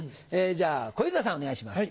じゃあ小遊三さんお願いします。